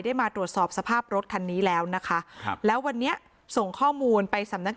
มาตรวจสอบสภาพรถคันนี้แล้วนะคะครับแล้ววันนี้ส่งข้อมูลไปสำนัก